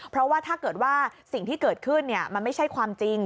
เพราะว่าถ้าเกิดว่าสิ่งที่เกิดขึ้นมันไม่ใช่ความจริง